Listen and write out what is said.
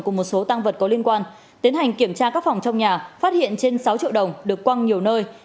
cùng một số tăng vật có liên quan tiến hành kiểm tra các phòng trong nhà phát hiện trên sáu triệu đồng được quăng nhiều nơi